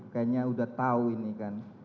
kayaknya udah tahu ini kan